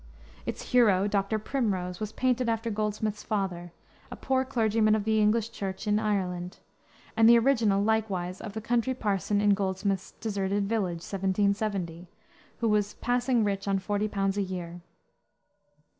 Its hero, Dr. Primrose, was painted after Goldsmith's father, a poor clergyman of the English Church in Ireland, and the original, likewise, of the country parson in Goldsmith's Deserted Village, 1770, who was "passing rich on forty pounds a year."